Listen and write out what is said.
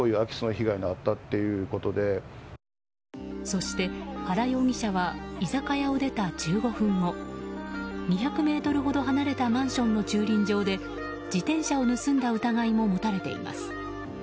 そして、原容疑者は居酒屋を出た１５分後２００ｍほど離れたマンションの駐輪場で自転車を盗んだ疑いも持たれています。